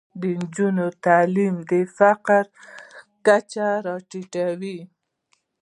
د نجونو تعلیم د فقر کچه راټیټوي.